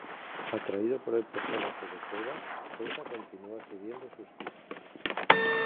Atraído por el personaje de Cuevas, Z continúa siguiendo sus pistas.